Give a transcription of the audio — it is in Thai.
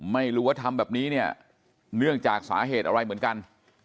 ไม่รู้ว่าทำแบบนี้เนี่ยเนื่องจากสาเหตุอะไรเหมือนกัน